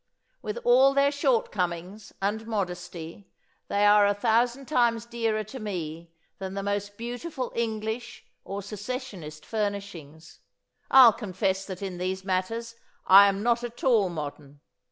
With all their shortcomings and modesty they are a thousand times dearer to me than the most beautiful English or secessionist furnishings. I'll confess that in these matters I am not at all modern.